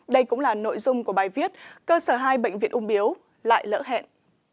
đây cũng là nội dung của bài viết cơ sở hai bệnh viện ung biếu lại lỡ hẹn